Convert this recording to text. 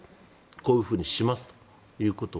こういうふうにしますってことを。